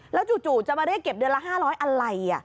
แล้วจู่จะมาเรียกเก็บเดือนละ๕๐๐อะไร